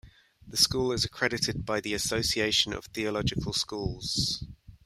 The school is accredited by the Association of Theological Schools.